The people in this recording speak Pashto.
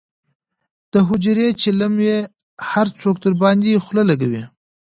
دحجرې چیلم یې هر څوک درباندې خله لکوي.